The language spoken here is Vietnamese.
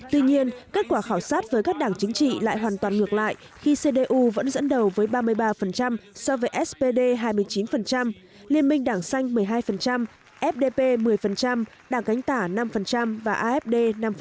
tuy nhiên kết quả khảo sát với các đảng chính trị lại hoàn toàn ngược lại khi cdu vẫn dẫn đầu với ba mươi ba so với spd hai mươi chín liên minh đảng xanh một mươi hai fdp một mươi đảng gánh tả năm và afd năm